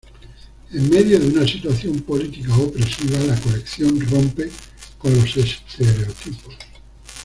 En medio de una situación política opresiva, la colección rompe con los estereotipos.